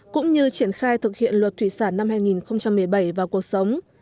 cũng như triển khai thực hiện luật pháp